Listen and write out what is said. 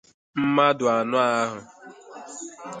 Mmadụ anọ ahụ